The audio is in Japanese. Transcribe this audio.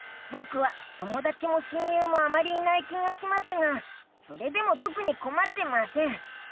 ぼくはともだちも親友もあまりいない気がしますがそれでもとくにこまってません。